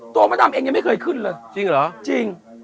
มดดำเองยังไม่เคยขึ้นเลยจริงเหรอจริง